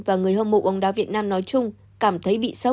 và người hâm mộ bóng đá việt nam nói chung cảm thấy bị sâu